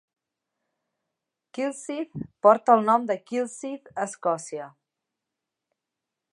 Kilsyth porta el nom de Kilsyth a Escòcia.